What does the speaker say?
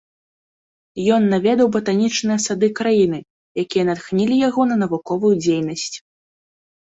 Ён наведаў батанічныя сады краіны, якія натхнілі яго на навуковую дзейнасць.